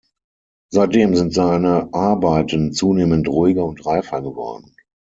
Seitdem sind seine Arbeiten zunehmend ruhiger und reifer geworden.